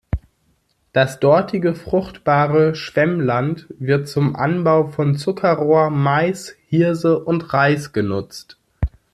Das dortige fruchtbare Schwemmland wird zum Anbau von Zuckerrohr, Mais, Hirse und Reis genutzt.